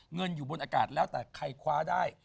เงินอยู่บนอากาศแล้วแต่ใครคว้าได้